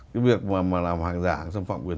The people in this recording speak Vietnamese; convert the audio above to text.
cái việc mà làm hàng giả trong phạm quyền